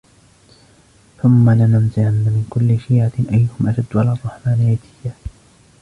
ثُمَّ لَنَنْزِعَنَّ مِنْ كُلِّ شِيعَةٍ أَيُّهُمْ أَشَدُّ عَلَى الرَّحْمَنِ عِتِيًّا